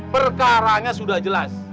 perkaranya sudah jelas